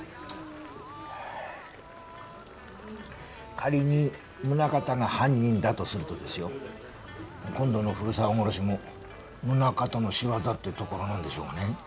仮に宗形が犯人だとするとですよ今度の古沢殺しも宗形の仕業ってところなんでしょうがね。